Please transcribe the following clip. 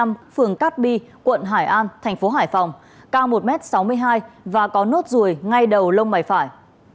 đối tượng trịnh cát bi quận hải an thành phố hải phòng cao một sáu mươi hai m và có nốt ruồi ngay đầu lông mày phải